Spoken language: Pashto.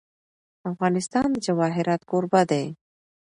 افغانستان د جواهرات کوربه دی.